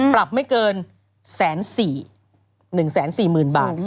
ปรับไม่เกิน๑๔๐๐๐บาท